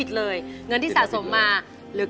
กลับไปก่อนที่สุดท้าย